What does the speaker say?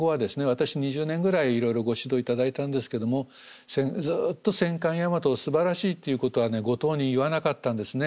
私２０年ぐらいいろいろご指導頂いたんですけどもずっと戦艦大和をすばらしいっていうことはねご当人言わなかったんですね。